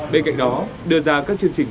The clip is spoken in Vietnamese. bên cạnh đó đưa ra các chương trình